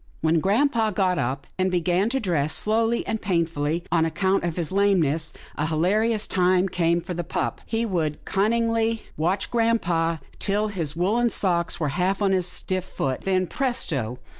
When grampa got up, and began to dress slowly and painfully, on account of his lameness, a hila rious time came for the pup. He would cunningly 118 MORE ABOUT THE PUP 119 watch grampa till his woollen sock was half on his stiff foot, then, presto!